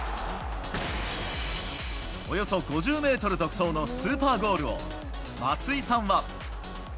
およそ５０メートル独走のスーパーゴールを、松井さんは。